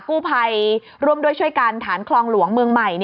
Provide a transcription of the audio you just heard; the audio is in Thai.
กู้ภัยร่วมด้วยช่วยกันฐานคลองหลวงเมืองใหม่